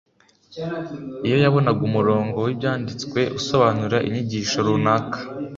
iyo yabonaga umurongo w ibyanditswe usobanura inyigisho runaka